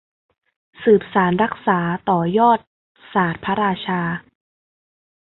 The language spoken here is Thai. สืบสานรักษาต่อยอดศาสตร์พระราชา